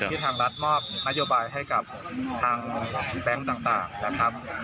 ทางรัฐมอบนโยบายให้กับทางแบงค์ต่างนะครับ